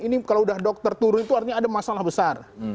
ini kalau sudah dokter turun itu artinya ada masalah besar